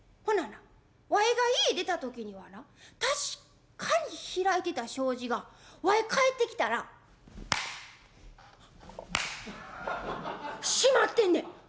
「ほななわいが家出た時にはな確かに開いてた障子がわい帰ってきたら閉まってんねん」。